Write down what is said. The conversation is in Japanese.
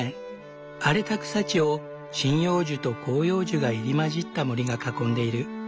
荒れた草地を針葉樹と広葉樹が入り交じった森が囲んでいる。